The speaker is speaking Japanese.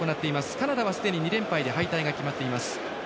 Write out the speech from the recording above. カナダはすでに２連敗で敗退が決まっています。